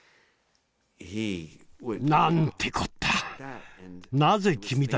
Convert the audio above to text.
「なんてこった！